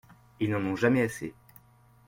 Ils n’en ont jamais assez.